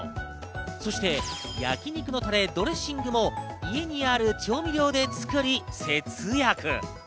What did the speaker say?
そして焼肉のたれ、ドレッシングも家にある調味料で作り、節約。